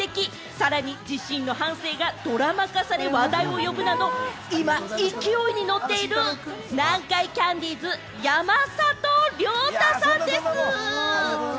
さらに自身の半生がドラマ化され話題を呼ぶなど、いま勢いに乗っている南海キャンディーズ・山里亮太さんです！